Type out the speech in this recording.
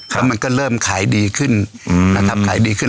แล้วมันก็เริ่มขายดีขึ้นนะครับขายดีขึ้น